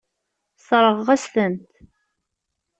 Sseṛɣeɣ-as-tent.